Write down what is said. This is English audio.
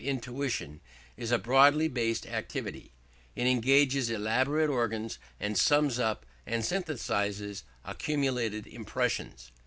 Intuition is a broadly based activity; it engages elaborate organs and sums up and synthesises accumulated impressions.